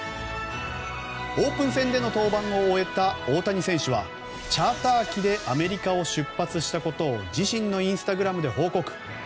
オープン戦での登板を終えた大谷選手はチャーター機でアメリカを出発したことを自身のインスタグラムで報告。